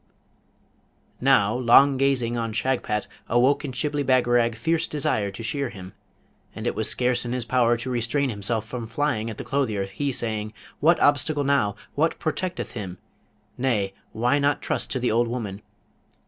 Now, long gazing on Shagpat awoke in Shibli Bagarag fierce desire to shear him, and it was scarce in his power to restrain himself from flying at the clothier, he saying, 'What obstacle now? what protecteth him? Nay, why not trust to the old woman?